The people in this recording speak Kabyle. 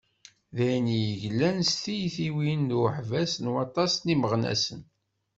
D ayen i d-yeglan s tyitiwin d uḥbas n waṭas n yimeɣnasen.